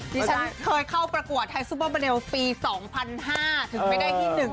ที่ฉันเคยเข้าประกวดไทยซุปเปอร์มาเรลปีสองพันห้าถึงไม่ได้ที่หนึ่ง